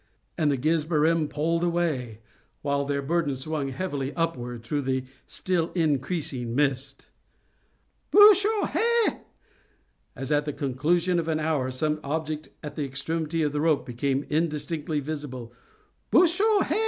And the Gizbarim pulled away, while their burden swung heavily upward through the still increasing mist. "Booshoh he!"—as, at the conclusion of an hour, some object at the extremity of the rope became indistinctly visible—"Booshoh he!"